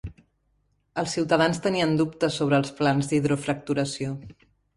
Els ciutadans tenien dubtes sobre els plans d'hidrofracturació.